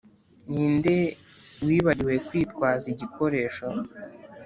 ni nde wibagiwe kwitwaza igikoresho